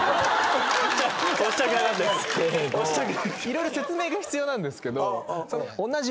色々説明が必要なんですけど。